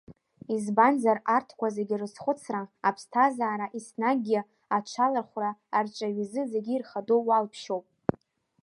Избанзар, арҭқәа зегь рызхәыцра, аԥсҭазаара еснагьгьы аҽалархәра арҿиаҩ изы зегьы ирхадоу уалԥшьоуп.